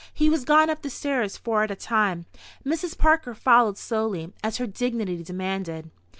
He was gone up the stairs, four at a time. Mrs. Parker followed slowly, as her dignity demanded.